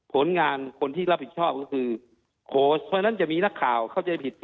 ผลงานคนที่รับผิดชอบก็คือโค้ชเพราะฉะนั้นจะมีนักข่าวเข้าใจผิด